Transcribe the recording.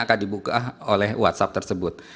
akan dibuka oleh whatsapp tersebut